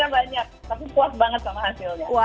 banyak tapi puas banget sama hasilnya